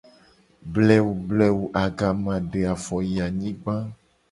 Blewu blewu agama de afo yi anyigba :